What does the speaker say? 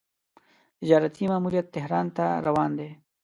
تجارتي ماموریت تهران ته روان دی.